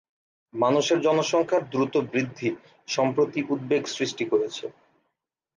মানুষের জনসংখ্যার দ্রুত বৃদ্ধি সম্প্রতি উদ্বেগ সৃষ্টি করেছে।